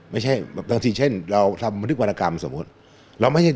ไม่ใช่บางทีเช่นเราทำบริกวรรณกรรมสมมติ